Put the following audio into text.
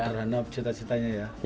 cukup terhanap cita citanya ya